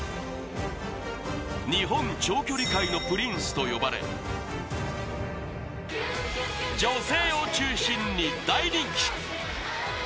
日本長距離界のプリンスと呼ばれ、女性を中心に大人気。